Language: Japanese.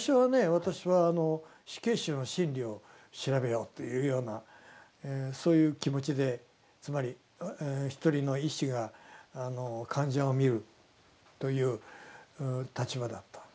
私は死刑囚の心理を調べようというようなそういう気持ちでつまり一人の医師が患者を診るという立場だった。